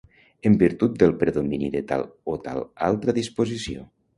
En virtut del predomini de tal o tal altra disposició.